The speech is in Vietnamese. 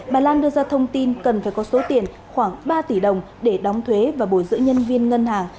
bà lan đưa ra thông tin cần phải có số tiền khoảng ba tỷ đồng để đóng thuế và bồi giữ nhân viên ngân hàng